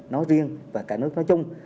nó riêng và cả nước nói chung